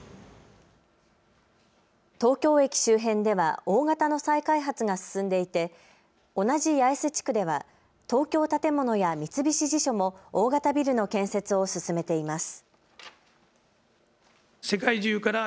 東京駅周辺では大型の再開発が進んでいて同じ八重洲地区では東京建物や三菱地所も大型ビルの建設を進めています。